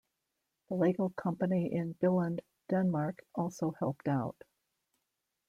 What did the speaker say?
The Lego company in Billund, Denmark also helped out.